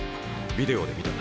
ビデオで見た。